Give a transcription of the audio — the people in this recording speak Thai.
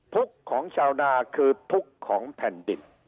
ฟุกของชาวนาคือฟุกของแผ่นดิต